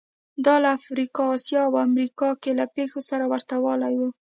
دا له افریقا، اسیا او امریکا کې له پېښو سره ورته والی و